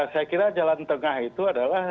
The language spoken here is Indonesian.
saya kira jalan tengah itu adalah